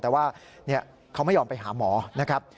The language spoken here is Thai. แต่ว่าเขาไม่ยอมไปหาหมอนะครับ